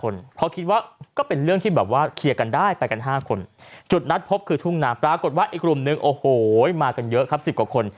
แล้วก้าดูคืนใช่ขี้ฟอก